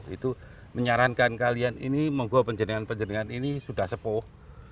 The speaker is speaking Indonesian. itu menyarankan kalian ini menggawa perjanjian perjanjian ini sudah sepuh